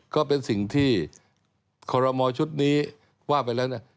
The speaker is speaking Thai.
ก็เป็นสิ่งที่คอรมอชุดนี้ว่าไปแล้วนะ